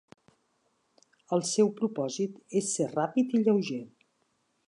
El seu propòsit és ser ràpid i lleuger.